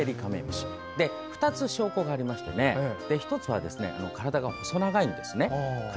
２つ、証拠がありまして１つは体が細長いんですね。